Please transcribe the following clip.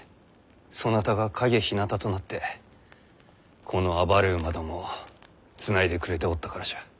そなたが陰ひなたとなってこの暴れ馬どもをつないでくれておったからじゃ。